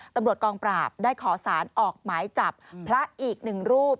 ตำรวจกองปราบได้ขอสารออกหมายจับพระอีกหนึ่งรูป